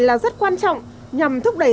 là rất quan trọng nhằm thúc đẩy